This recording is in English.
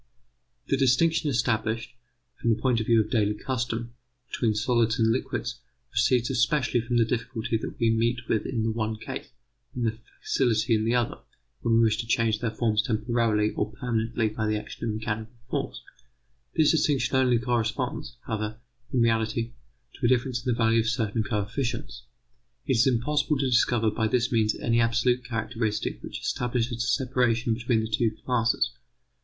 The distinction established, from the point of view of daily custom, between solids and liquids, proceeds especially from the difficulty that we meet with in the one case, and the facility in the other, when we wish to change their form temporarily or permanently by the action of mechanical force. This distinction only corresponds, however, in reality, to a difference in the value of certain coefficients. It is impossible to discover by this means any absolute characteristic which establishes a separation between the two classes.